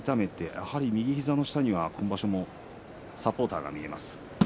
やはり右膝の下にサポーターが見えます。